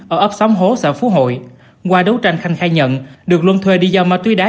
ở ấp xóm hố xã phú hội qua đấu tranh khanh khai nhận được luân thuê đi giao ma túy đá